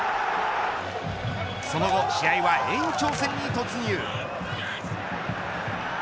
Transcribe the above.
その後、試合は延長戦に突入。